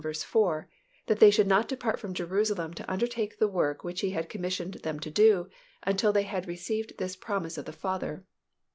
4, that they should not depart from Jerusalem to undertake the work which He had commissioned them to do until they had received this promise of the Father.